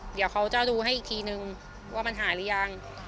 เดี๋ยวเขาจะดูให้อีกทีนึงว่ามันหายหรือยัง